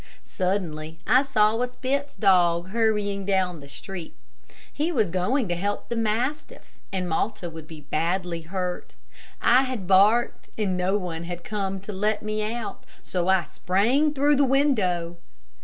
Suddenly I saw a Spitz dog hurrying down the street. He was going to help the mastiff, and Malta would be badly hurt. I had barked and no one had come to let me out, so I sprang through the window.